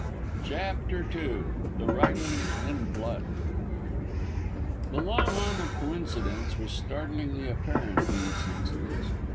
CHAPTER II THE WRITING IN BLOOD The long arm of coincidence was startlingly apparent in this instance.